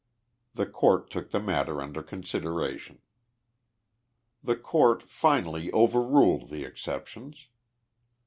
The court took the matter under consideration. The court finally overruled the exceptions.